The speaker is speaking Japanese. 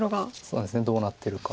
そうなんですどうなってるか。